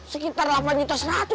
sekitar delapan juta seratus lah tuh